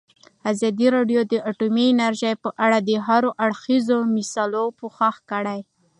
ازادي راډیو د اټومي انرژي په اړه د هر اړخیزو مسایلو پوښښ کړی.